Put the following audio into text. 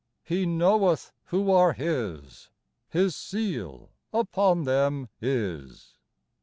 He knoweth who are His : His seal upon them is.